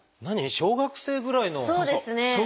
小学生ぐらいの。